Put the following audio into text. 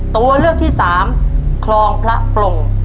ตัวเลือกที่สามคลองพระปลง